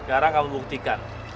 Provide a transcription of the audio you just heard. sekarang kamu buktikan